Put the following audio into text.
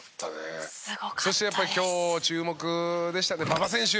そしてやっぱり今日注目でしたね馬場選手。